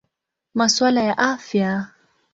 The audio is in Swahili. Masuala ya Afya.